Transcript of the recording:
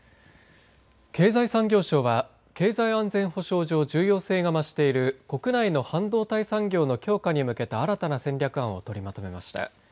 経済産業省は経済安全保障上重要性が増している国内の半導体産業の強化に向けた新たな戦略案を取りまとめました。